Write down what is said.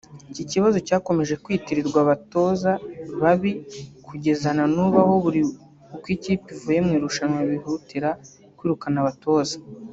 Iki kibazo cyakomeje kwitirirwa abatoza babi kugeza nanubu aho buri uko ikipe ivuye mu irushanwa bihutira kwirukana abatoza